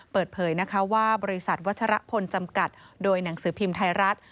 เปิดเผยนะคะว่าบริษัทวัชรพลจำกัดโดยหนังสือพิมพ์ไทยรัฐ